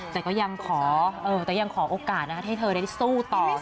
แต่ก็ยังขอโอกาสให้เธอได้สู้ต่อค่ะ